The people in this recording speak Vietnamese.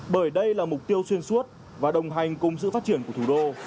bởi đây là mục tiêu xuyên suốt và đồng hành cùng sự phát triển của thủ đô